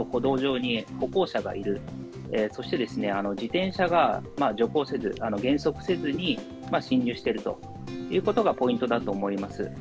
やはり、横断歩道とか、あと歩道上に歩行者がいる、そして自転車が徐行せず、減速せずに進入しているということがポイントだと思います。